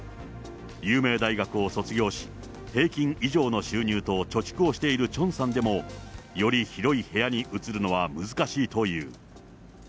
有名大学を卒業し、平均以上の収入と貯蓄をしているチョンさんでも、より広い部屋に移るのは、難しいという。